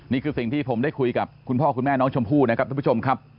นี่คือสิ่งที่ผมได้คุยกับคุณพ่อคุณแม่น้องชมพู่นะครับทุกผู้ชมครับ